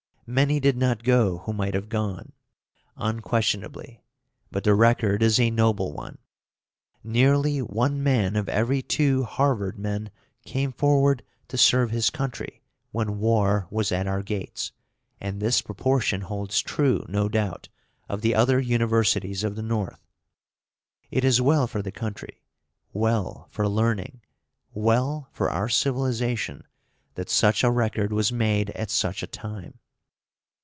Many did not go who might have gone, unquestionably, but the record is a noble one. Nearly one man of every two Harvard men came forward to serve his country when war was at our gates, and this proportion holds true, no doubt, of the other universities of the North. It is well for the country, well for learning, well for our civilization, that such a record was made at such a time.